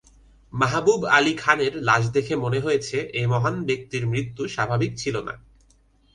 মাহবুব আলী খানের লাশ দেখে মনে হয়েছে এ মহান ব্যক্তির মৃত্যু স্বাভাবিক ছিল না।